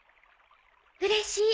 うれしい！